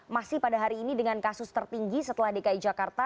masih pada hari ini dengan kasus tertinggi setelah dki jakarta